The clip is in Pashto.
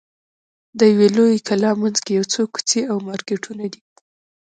د یوې لویې کلا منځ کې یو څو کوڅې او مارکېټونه دي.